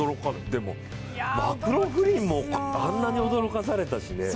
でもマクローフリンもあんなに驚かされたしね。